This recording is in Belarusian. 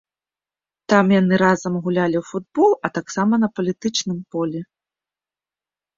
Там яны разам гулялі ў футбол, а таксама на палітычным полі.